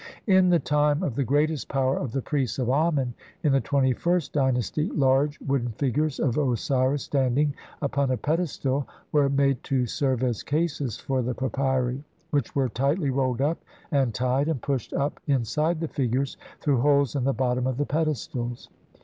In the time of the greatest power of the priests of Amen, in the twenty first dynasty, large wooden figures of Osiris standing upon a pedestal £==> were made to serve as cases for the papyri, which were tightly rolled up and tied, and pushed up inside the figures through holes in the bottom of the pedestals.'